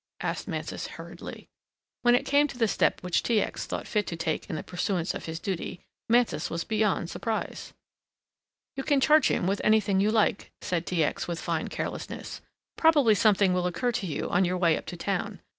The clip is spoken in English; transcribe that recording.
asked Mansus hurriedly. When it came to the step which T. X. thought fit to take in the pursuance of his duty, Mansus was beyond surprise. "You can charge him with anything you like," said T. X., with fine carelessness, "probably something will occur to you on your way up to town.